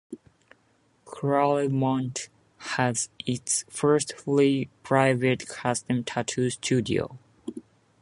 Claremont has its first fully private custom tattoo studio.